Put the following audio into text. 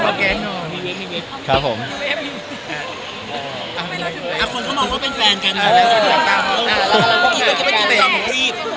เน้นมีแวฟนี่